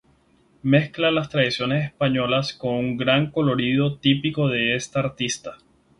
Mezcla las tradiciones españolas con un gran colorido típico de esta artista.